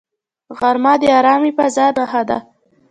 غرمه د آرامې فضاء نښه ده